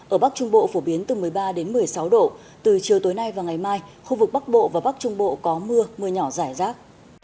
ở bắc trung bộ phổ biến từ một mươi ba đến một mươi sáu độ từ chiều tối nay và ngày mai khu vực bắc bộ và bắc trung bộ có mưa mưa nhỏ rải rác